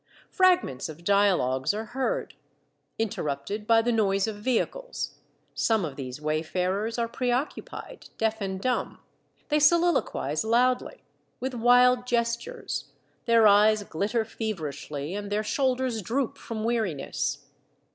Fragments of dialogues are heard, interrupted by the noise of vehicles ; some of these wayfarers are preoccupied, deaf, and dumb ; they soliloquize loudly, with wild gestures ; their eyes glitter fever ishly, and their shoulders droop from weariness.